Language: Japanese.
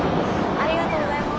ありがとうございます。